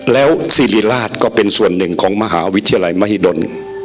แล้วสิริราชก็เป็นส่วนหนึ่งของมหาวิทยาลัยมหิดล